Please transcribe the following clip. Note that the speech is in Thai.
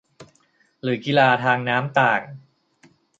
หรือกีฬาทางน้ำต่าง